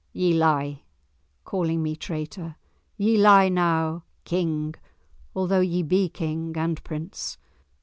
"Ye lie, calling me traitor; ye lie now, King, although ye be King and Prince.